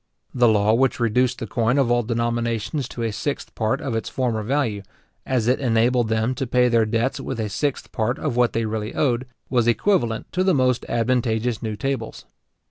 The law which reduced the coin of all denominations to a sixth part of its former value, as it enabled them to pay their debts with a sixth part of what they really owed, was equivalent to the most advantageous new tables.